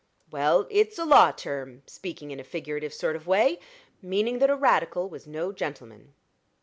"Well, it's a law term speaking in a figurative sort of way meaning that a Radical was no gentleman."